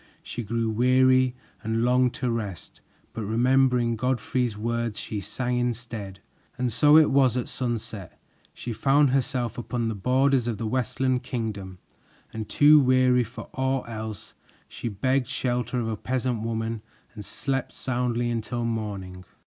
She grew weary and longed to rest, but remembering Godfrey's words, she sang instead. And so it was at sunset she found herself upon the borders of the Westland Kingdom, and too weary for aught else, she begged shelter of a peasant woman and slept soundly until morning.